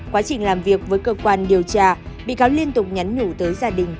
quá trình làm việc với cơ quan điều tra bị cáo liên tục nhắn nhủ tới gia đình